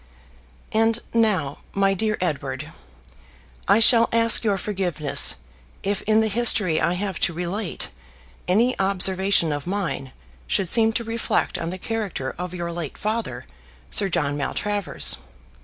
And now, my dear Edward, I shall ask your forgiveness if in the history I have to relate any observation of mine should seem to reflect on the character of your late father, Sir John Maltravers.